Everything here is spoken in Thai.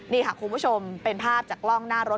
นี่ค่ะคุณผู้ชมเป็นภาพจากกล้องหน้ารถ